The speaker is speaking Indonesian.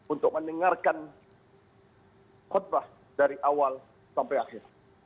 untuk mendengarkan khutbah dari awal sampai akhir